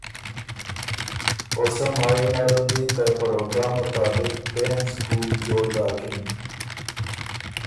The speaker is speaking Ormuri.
او سۀ مایٛ نرن دی ته پروګرام مطابق پېنځ کُول جوړ داکِن۔